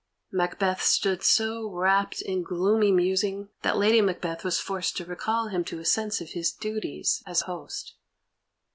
Macbeth stood so wrapt in gloomy musing that Lady Macbeth was forced to recall him to a sense of his duties as host.